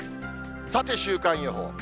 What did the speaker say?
さて週間予報。